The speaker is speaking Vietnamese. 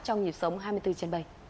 trong nhịp sống hai mươi bốn h bảy